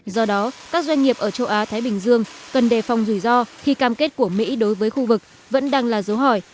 do đó các doanh nghiệp ở châu á thái bình dương cần đề phòng rủi ro khi cam kết của mỹ đối với khu vực vẫn đang là dấu hỏi